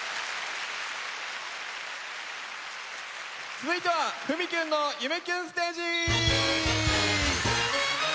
続いては「ふみキュンの夢キュンステージ」！